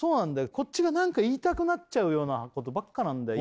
こっちが何か言いたくなっちゃうようなことばっかなんだよ